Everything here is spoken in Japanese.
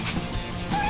それ。